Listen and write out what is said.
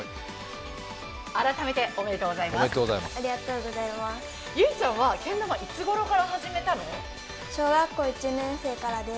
改めて、おめでとうございます。